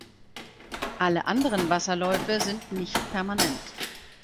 Alle anderen Wasserläufe sind nicht permanent.